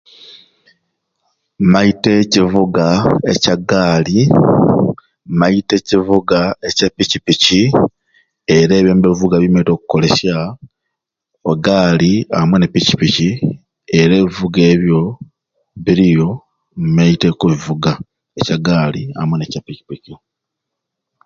Maite e kivuga ekya gaali, maire ekivuga ekya pikipiki, era ebyo ebivuga nibyo tukolesya e gaali amwe ne pikipiki era ebivuga ebyo biriyo maite okubivuga ekya gaali amwe ne Kya pikipiki